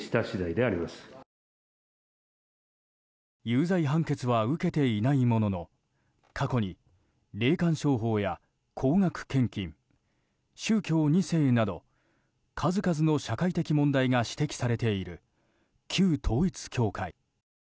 有罪判決は受けていないものの過去に、霊感商法や高額献金宗教２世など数々の社会的問題が指摘されている旧統一教会。